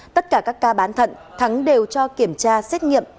tất cả các ca bán thận thắng đều cho kiểm tra xét nghiệm